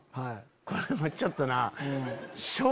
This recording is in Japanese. これはちょっとな。